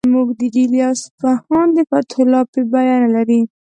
زموږ د ډیلي او اصفهان د فتحو لاپې بیه نه لري.